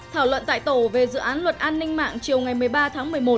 thảo luận tại tổ về dự án luật an ninh mạng chiều ngày một mươi ba tháng một mươi một